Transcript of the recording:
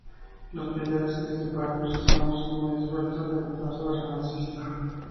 Los pilares que separan los tramos son muy esbeltos y de traza renacentista.